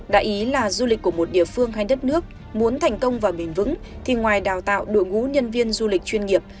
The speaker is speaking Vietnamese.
đại ý là du lịch của một địa phương hay đất nước muốn thành công và bền vững thì ngoài đào tạo đội ngũ nhân viên du lịch chuyên nghiệp